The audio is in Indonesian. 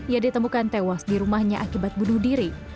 ia ditemukan tewas di rumahnya akibat bunuh diri